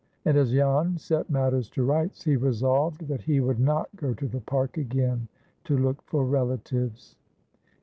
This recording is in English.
And as Jan set matters to rights, he resolved that he would not go to the Park again to look for relatives.